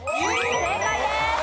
正解です。